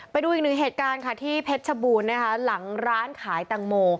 ไปดูอีกหนึ่งเหตุการณ์ค่ะที่เพชรชบูรณ์นะคะหลังร้านขายตังโม